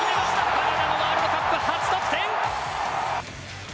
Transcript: カナダ、ワールドカップ初得点！